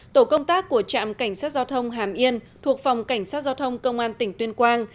tổ công tác của trạm cảnh sát giao thông hàm yên thuộc phòng cảnh sát giao thông công an tỉnh tuyên quang